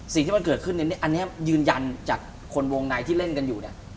สิ่งที่มันเกิดขึ้นอันนี้ยืนยันจากคนวงในที่เล่นกันอยู่เนี่ย